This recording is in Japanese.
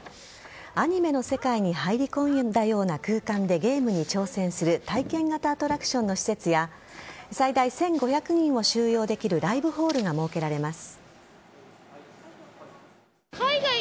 アニメの世界に入り込んだような空間でゲームに挑戦する体験型アトラクションの施設や最大１５００人を収容できるライブホールが設けられます。